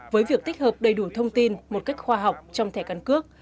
với việc tích hợp đầy đủ thông tin một cách khoa học trong thẻ căn cước